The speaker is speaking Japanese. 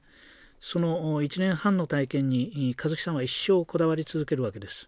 その１年半の体験に香月さんは一生こだわり続けるわけです。